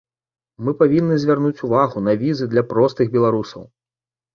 Мы павінны звярнуць увагу на візы для простых беларусаў.